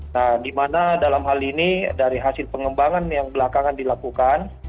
nah di mana dalam hal ini dari hasil pengembangan yang belakangan dilakukan